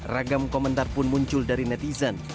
ragam komentar pun muncul dari netizen